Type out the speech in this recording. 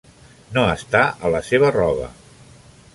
No està a la seva roba.